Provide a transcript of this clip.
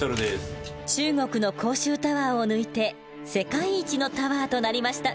中国の広州タワーを抜いて世界一のタワーとなりました。